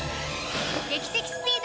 劇的スピード！